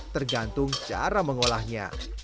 tergantung cara mengolahnya